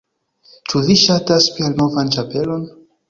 Ĉu vi ŝatas mian novan ĉapelon?